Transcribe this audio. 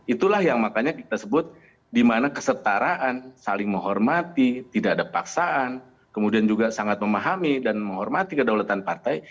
itulah yang makanya kita sebut dimana kesetaraan saling menghormati tidak ada paksaan kemudian juga sangat memahami dan menghormati kedaulatan partai